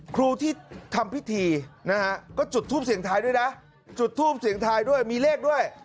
ครูที่ทำพิธีนะฮะก็จุดทูปเสียงทายด้วยนะจุดทูปเสียงทายด้วยมีเลขด้วย